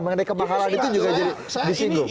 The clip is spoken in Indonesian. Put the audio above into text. mengenai kemahalan itu juga jadi disinggung